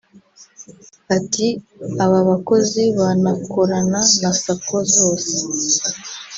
Ati “Aba bakozi banakorana na Sacco zose